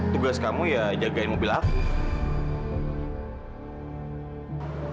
tugas kamu ya jagain mobil aku